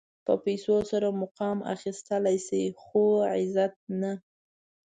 په پیسو سره مقام اخيستلی شې خو عزت نه شې.